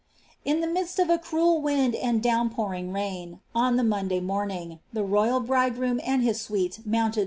In the midst of a " cruel wind and down pouring rein," on the day morning, the royal bridegroom &i)d his suite ntouui,>»l vUtu _ n,t.